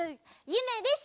ゆめです！